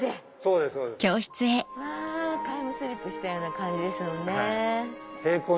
うわタイムスリップしたような感じですよね。